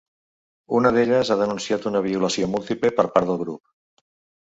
Una d’elles ha denunciat una violació múltiple per part del grup.